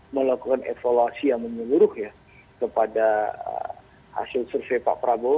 melakukan evaluasi yang menyeluruh ya kepada hasil survei pak prabowo